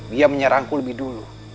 dia menyerangku lebih dulu